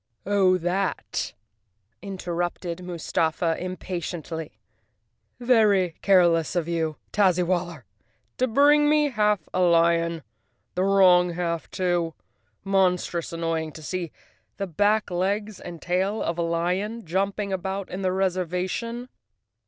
"Oh, that!" interrupted Mustafa impatiently. "Very 15 The Cowardly Lion of Oz _ careless of you, Tazzywaller, to bring me half a lion— the wrong half, too! Monstrous annoying to see the back legs and tail of a lion jumping about in the res¬ ervation.